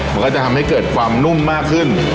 มันก็จะทำให้เกิดความนุ่มมากขึ้น